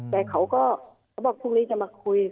แต่เขาก็เขาบอกพรุ่งนี้จะมาคุย